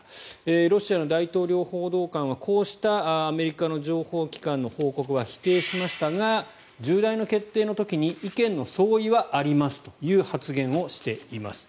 ロシアの大統領報道官はこうしたアメリカの情報機関の報告は否定しましたが重大な決定の時に意見の相違はありますという発言をしております。